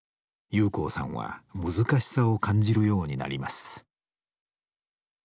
裕光さんは難しさを感じるようになります。